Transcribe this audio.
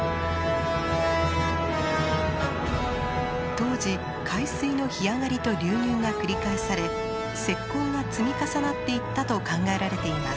当時海水の干上がりと流入が繰り返され石こうが積み重なっていったと考えられています。